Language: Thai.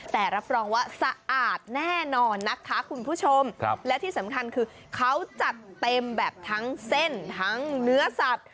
แต่รับรองว่าสะอาดแน่นอนนะคะคุณผู้ชมและที่สำคัญคือเขาจัดเต็มแบบทั้งเส้นทั้งเนื้อสัตว์